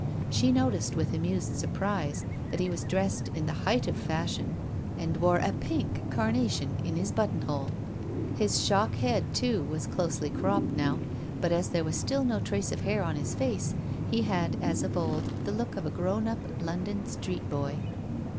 She noticed, with amused sur prise, that he was dressed in the height of the fashion, and wore a pink carnation in his buttonhole. His shock head, too, was closely cropped now, but as there was still no trace of hair on his face, he had as of old the look of a grown up London street boy.